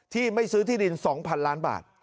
ที่ไม่ซื้อที่ดิน๒๐๐๐ล้านบาท